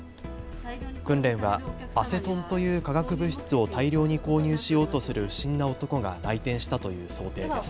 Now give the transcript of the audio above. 訓練はアセトンという化学物質を大量に購入しようとする不審な男が来店したという想定です。